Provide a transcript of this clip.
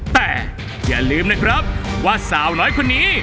แต่อย่าลืมนะครับว่าสาวน้อยคนนี้